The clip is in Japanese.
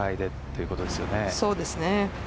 そうですね。